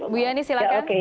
bu yani silahkan